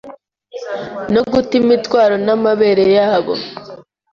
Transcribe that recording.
No guta imitwaro n'amabere yabo